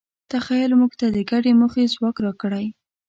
تخیل موږ ته د ګډې موخې ځواک راکړی.